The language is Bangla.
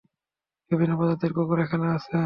বিভিন্ন প্রজাতির কুকুর এখানে আছে।